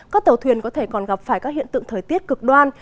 các tàu thuyền có thể còn gặp phải các hiện tượng thời tiết cực đoan